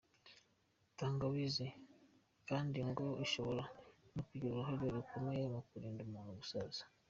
Tangawizi kandi ngo ishobora no kugira uruhare rukomeye mu kurinda umuntu gusaza.